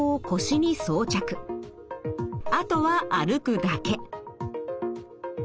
あとは歩くだけ。